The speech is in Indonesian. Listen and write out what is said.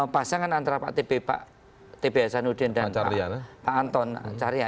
pasangan antara pak tb pak tb hasanuddin dan pak anton carya